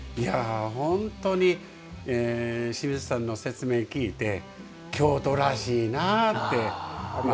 本当に清水さんの説明聞いて京都らしいなあって。